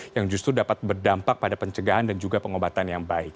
yang justru dapat berdampak pada pencegahan dan juga pengobatan yang baik